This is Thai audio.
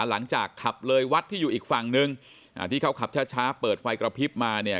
หลังจากขับเลยวัดที่อยู่อีกฝั่งนึงอ่าที่เขาขับช้าช้าเปิดไฟกระพริบมาเนี่ย